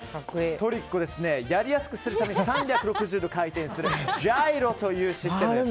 トリックをやりやすくするため３６０度回転するジャイロというシステム。